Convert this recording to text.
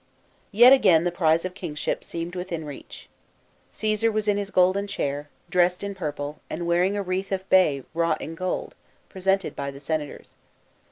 Yet again the prize of kingship seemed within reach. Caesar was in his golden chair, dressed in purple, and wearing a wreath of bay wrought in gold, presented by the senators.